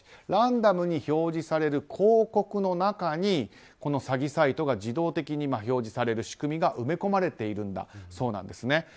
ランダムに表示される広告の中にこの詐欺サイトが自動的に表示される仕組みが埋め込まれているそうなんです。